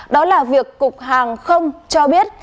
đó là việc cục hàng không cho biết